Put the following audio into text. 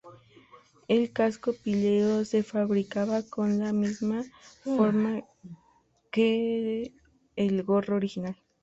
El casco píleo se fabricaba con la misma forma que el gorro original.